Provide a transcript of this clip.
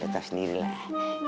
lo tau sendiri lah